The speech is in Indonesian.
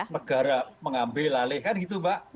sampai negara mengambil alih kan gitu mbak